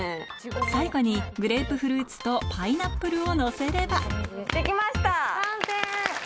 最後にグレープフルーツとパイナップルをのせれば完成！